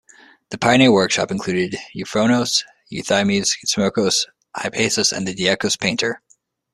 The pioneer workshop included Euphronios, Euthymides, Smikros, Hypsias, and the 'Dikaios Painter'.